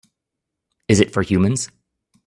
Is it for humans?